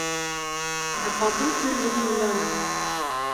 Ә ҡатын төрлөһөн уйланы.